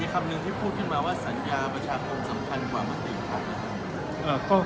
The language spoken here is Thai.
คำหนึ่งที่พูดขึ้นมาว่าสัญญาประชาคมสำคัญกว่ามติครับ